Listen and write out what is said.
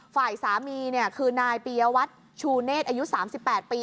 ฝ่ายสามีคือนายปียวัตรชูเนธอายุ๓๘ปี